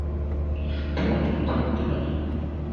তোমার জন্য কি করতে পারি?